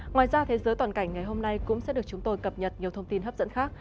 ngoài ra thế giới toàn cảnh ngày hôm nay cũng sẽ được chúng tôi cập nhật nhiều thông tin hấp dẫn khác